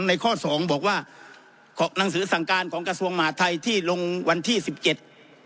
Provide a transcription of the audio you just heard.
ในข้อสองบอกว่าหนังสือสั่งการของกระทรวงมหาทัยที่ลงวันที่สิบเจ็ด